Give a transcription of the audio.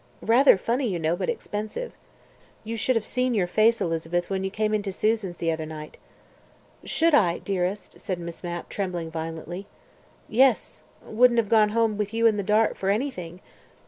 Rather funny, you know, but expensive. You should have seen your face, Elizabeth, when you came in to Susan's the other night." "Should I, dearest?" said Miss Mapp, trembling violently. "Yes. Wouldn't have gone home with you in the dark for anything.